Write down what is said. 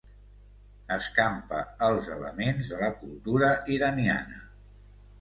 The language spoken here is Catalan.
Escampa els elements de la cultura iraniana.